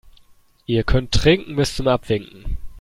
Ihr könnt trinken bis zum Abwinken.